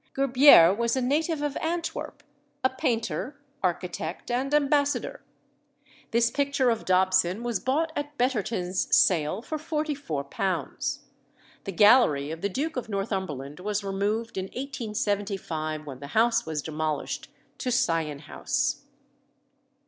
Gerbier was a native of Antwerp, a painter, architect, and ambassador. This picture of Dobson was bought at Betterton's sale for £44. The gallery of the Duke of Northumberland was removed in 1875, when the house was demolished, to Sion House.